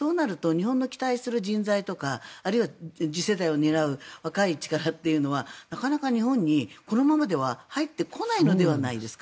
日本の期待する人材とカあるいは次世代を担う若い力はなかなか日本にこのままでは入ってこないのではないですか。